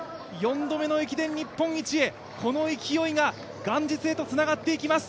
４度目の駅伝日本一へ、この勢いが元日へとつながっていきます。